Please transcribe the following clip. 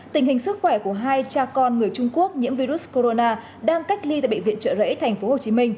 tình hình sức khỏe của hai cha con người trung quốc nhiễm virus corona đang cách ly tại bệnh viện trợ rẫy tp hcm